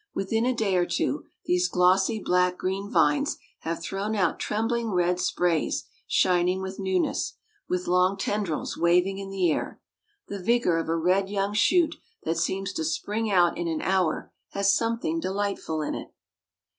Within a day or two, these glossy, black green vines have thrown out trembling red sprays shining with newness, with long tendrils waving in the air. The vigor of a red young shoot that seems to spring out in an hour has something delightful in it.